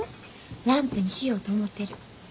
ランプにしようと思ってる。